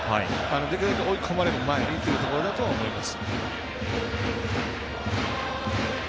できるだけ追い込まれる前にというところだと思います。